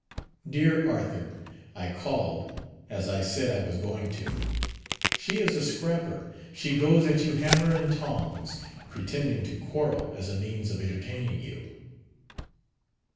"Dear Arthur: I called, as I said I was going to. She is a scrapper. She goes at you hammer and tongs pretending to quarrel as a means of entertaining you..."